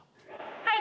はい。